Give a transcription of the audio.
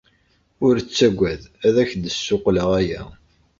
Ur ttaggad, ad ak-d-ssuqqleɣ aya.